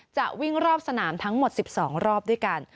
จะวิ่งรอบสนามทั้งหมด๑๒รอบด้วยกัน